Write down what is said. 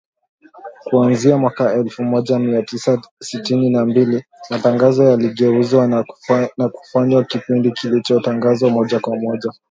Kuanzia mwaka elfu moja mia tisa sitini na mbili, matangazo yaligeuzwa na kufanywa kipindi kilichotangazwa moja kwa moja.